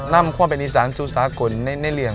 นำความเป็นในสารสุสากุลในเรื่อง